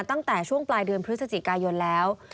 ตั้งแต่ช่วงปลายเดือนพฤศจิกายนแล้ว